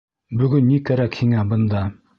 Бөгөн ни кәрәк һиңә бында?